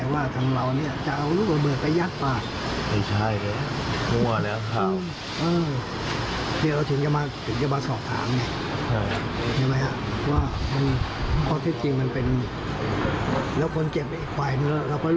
มาทำร้ายร่างกายเขา